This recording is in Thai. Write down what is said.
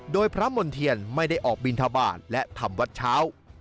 โดยพระมณ์เทียนไม่ได้ออกบินทบาทและทำวัดเช้า